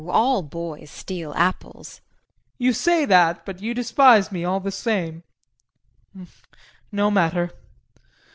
Oh, all boys steal apples. JEAN. You say that, but you despise me all the same. No matter!